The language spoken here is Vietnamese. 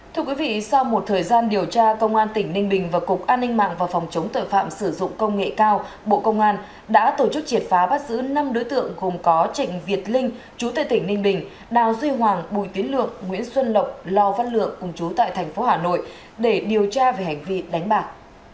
thưa quý vị sau một thời gian điều tra công an tỉnh ninh bình và cục an ninh mạng và phòng chống tội phạm sử dụng công nghệ cao bộ công an đã tổ chức triệt phá bắt giữ năm đối tượng gồm có trịnh việt linh chú tệ tỉnh ninh bình đào duy hoàng bùi tiến lượng nguyễn xuân lộc lò văn lượng cùng chú tại thành phố hà nội để điều tra về hành vi đánh bạc